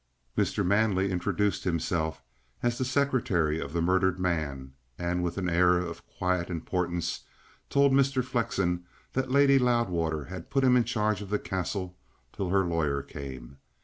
Mr. Manley introduced himself as the secretary of the murdered man, and with an air of quiet importance told Mr. Flexen that Lady Loudwater had put him in charge of the Castle till her lawyer came.